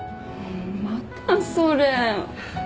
またそれ。